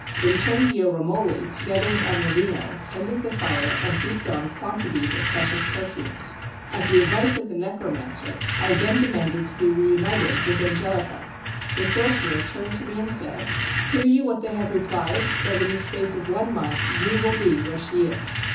Vincenzio Romoli, together with Agnolino, tended the fire and heaped on quantities of precious perfumes. At the advice of the necromancer I again demanded to be reunited with Angelica. The sorcerer turned to me and said, "Hear you what they have replied that in the space of one month you will be where she is?"